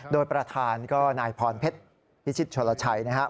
โดยประธานก็นายพรเพชรพิชิตชนลชัยนะครับ